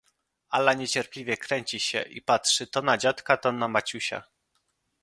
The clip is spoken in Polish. "Ala niecierpliwie kręci się i patrzy to na dziadka, to na Maciusia."